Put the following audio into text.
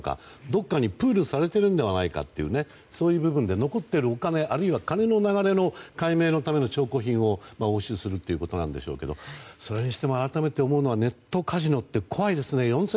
どこかにプールされているのではないかという部分で残っているお金、あるいは金の流れの解明のための証拠品を押収するということなんでしょうけどそれにしても改めて思うのはネットカジノって怖いですね。